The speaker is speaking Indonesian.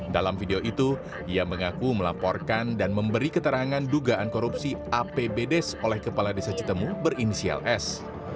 dalam video itu ia mengaku melaporkan dan memberi keterangan dugaan korupsi apbdes oleh kepala desa citemu berinisial s